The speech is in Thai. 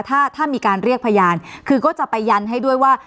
ถ้าถ้ามีการเรียกพยานคือก็จะไปยันให้ด้วยว่า